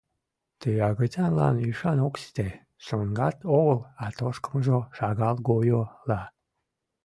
Ты агытанлан ӱшан ок сите, шоҥгат огыл, а тошкымыжо шагал гойо-ла.